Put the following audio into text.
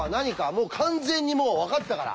もう完全に分かったから！